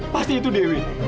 pasti itu dewi